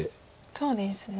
そうですね。